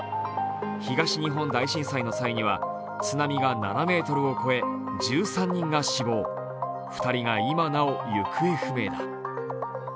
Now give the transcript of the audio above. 東日本大震災の際には津波が７ｍを超え１３人が死亡、２人が今なお行方不明だ。